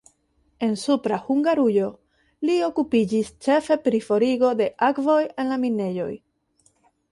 En Supra Hungarujo li okupiĝis ĉefe pri forigo de akvoj en la minejoj.